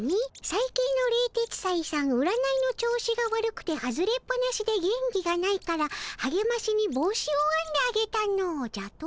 「さい近の冷徹斎さん占いの調子が悪くて外れっぱなしで元気がないからはげましに帽子をあんであげたの」じゃと？